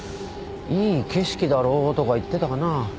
「いい景色だろ」とか言ってたかな。